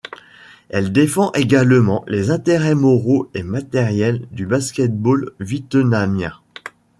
Elle défend également les intérêts moraux et matériels du basket-ball vitenamien.